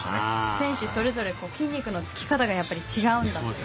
選手それぞれ筋肉のつき方が違うという。